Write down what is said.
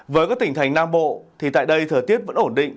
với các tỉnh thành nam bộ thì tại đây thời tiết vẫn ổn định